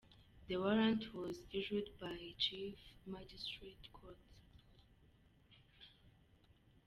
The warrant was issued by chief magistrates court.